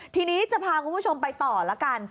ทีนี้จะพาคุณผู้ชมไปต่อแล้วกัน